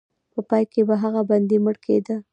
په پای کې به هغه بندي مړ کېده.